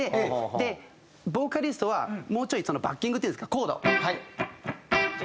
でボーカリストはもうちょいバッキングっていうんですけどコード。